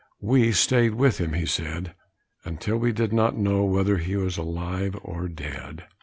"We staid with him," said he, "until we did not know whether he was alive or dead."